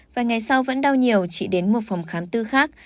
và ngày sau vẫn đau nhiều chị đến một phòng khám tư khác